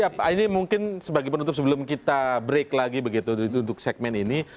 jadi ini mungkin sebagai penutup sebelum kita break lagi untuk segmen ini